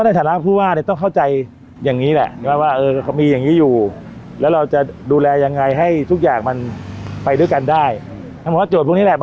ใช่ค่ะพอบอกอย่างนึงในโซนเรามันเป็นกฎที่จะดื่มหลุดพวกนักท่องเที่ยว